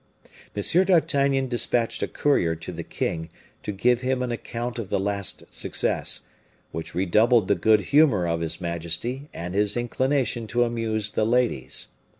M. d'Artagnan dispatched a courier to the king to give him an account of the last success, which redoubled the good humor of his majesty and his inclination to amuse the ladies.